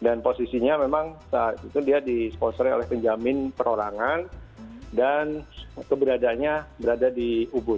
dan posisinya memang saat itu dia disponsor oleh penjamin perorangan dan keberadaannya berada di ubud